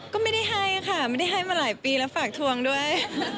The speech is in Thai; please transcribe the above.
ก็ไม่ได้ให้ค่ะไม่ได้ให้มาหลายปีแล้วฝากทวงด้วย